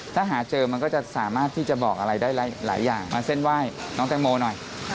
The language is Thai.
ถ้าหาเจอมันก็จะสามารถที่จะบอกอะไรได้หลายอย่างมาเส้นไหว้น้องแตงโมหน่อย